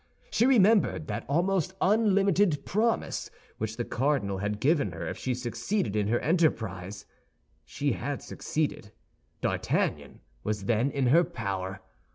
She remembered that almost unlimited promise which the cardinal had given her if she succeeded in her enterprise. She had succeeded; D'Artagnan was then in her power!